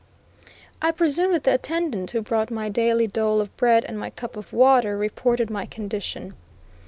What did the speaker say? I presume that the attendant who brought my daily dole of bread and my cup of water, reported my condition.